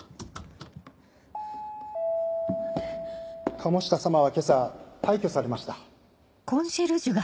鴨下様は今朝退去されました。